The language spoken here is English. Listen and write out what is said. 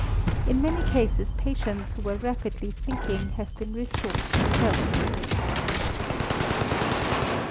In many cases patients who were rapidly sinking have been restored to health. 1778.